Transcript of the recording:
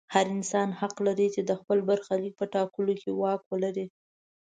هر انسان حق لري د خپل برخلیک په ټاکلو کې واک ولري.